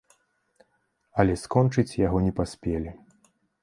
Але скончыць яго не паспелі.